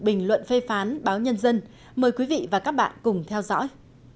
bình luận phê phán báo nhân dân mời quý vị và các bạn cùng theo dõi